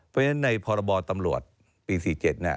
เพราะฉะนั้นในพรบตำรวจปี๔๗เนี่ย